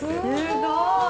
すごい！